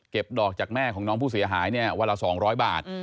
เก็บดอกจากแม่ของน้องผู้เสียหายนี้ประกอบบารสองร้อยบาท